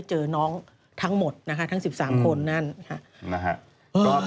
ซึ่งตอน๕โมง๔๕นะฮะทางหน่วยซิวได้มีการยุติการค้นหาที่